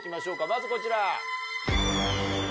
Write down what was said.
まずこちら。